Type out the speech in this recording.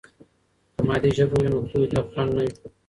که مادي ژبه وي، نو پوهې ته خنډ نه وي.